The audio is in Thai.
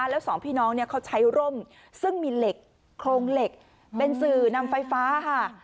แล้วสองพี่น้องเนี่ยเขาใช้ร่มซึ่งมีเหล็กโครงเหล็กเป็นสื่อนำไฟฟ้าค่ะ